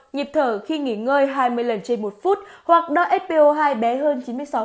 nhịp thở khi nghỉ ngơi hai mươi lần trên một phút hoặc đo s po hai bé hơn chín mươi sáu